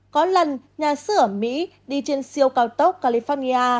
có lần nhà sư ở mỹ đi trên siêu cao tốc california